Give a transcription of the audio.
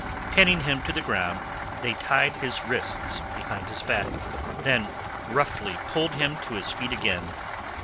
Pinning him to the ground, they tied his wrists behind his back, then roughly pulled him to his feet again.